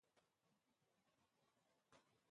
لینکډین